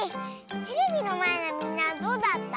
テレビのまえのみんなはどうだった？